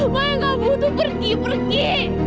maya nggak butuh pergi pergi